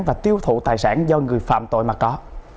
và tiêu thụ tài sản do người phạm tội mà có